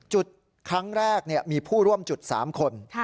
จุดครั้งแรกมีผู้ร่วมจุด๓คน